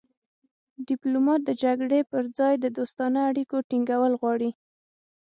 ډیپلومات د جګړې پر ځای د دوستانه اړیکو ټینګول غواړي